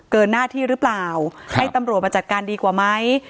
หน้าที่หรือเปล่าให้ตำรวจมาจัดการดีกว่าไหม